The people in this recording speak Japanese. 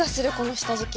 下敷き？